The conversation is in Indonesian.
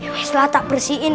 ya sudah tak bersihin